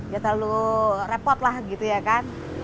ya terlalu repot lah gitu ya kan